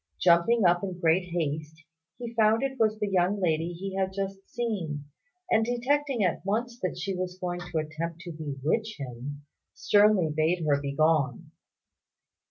Jumping up in great haste, he found it was the young lady he had just seen; and detecting at once that she was going to attempt to bewitch him, sternly bade her begone.